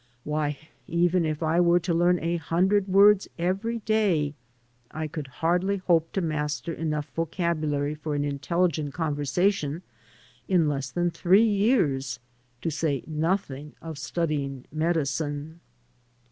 Why, even if I were to learn a hundred words every day, I could hardly hope to master enough vocabulary for an intelligent conversation in less than three years, to say nothing of studying medicine.